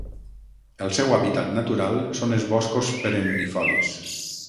El seu hàbitat natural són els boscos perennifolis.